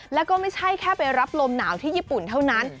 แล้วก็ไม่ใช่แค่ไปรับลมหนาวที่ญี่ปุ่นเท่านั้น